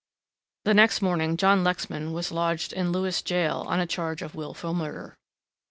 The next morning John Lexman was lodged in Lewes gaol on a charge of wilful murder.